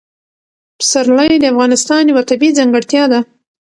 پسرلی د افغانستان یوه طبیعي ځانګړتیا ده.